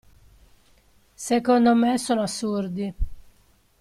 Secondo me sono assurdi.